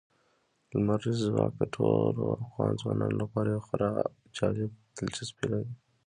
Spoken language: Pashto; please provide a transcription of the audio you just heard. لمریز ځواک د ټولو افغان ځوانانو لپاره یوه خورا جالب دلچسپي لري.